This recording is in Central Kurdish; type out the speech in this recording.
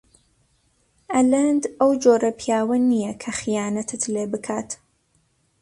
ئەلەند ئەو جۆرە پیاوە نییە کە خیانەتت لێ بکات.